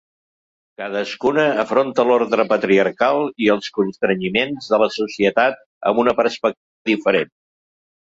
Cadascuna afronta l’ordre patriarcal i els constrenyiments de la societat amb una perspectiva diferent.